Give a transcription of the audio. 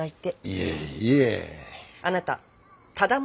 いえいえ。